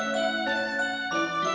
nangis juga cuma dijumpain